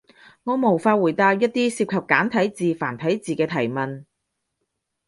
我無法回答一啲涉及簡體字、繁體字嘅提問